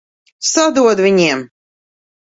Sadod viņiem!